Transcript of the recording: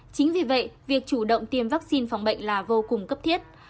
chính vì vậy việc chủ động tiêm vaccine phòng bệnh là vô cùng cấp thiết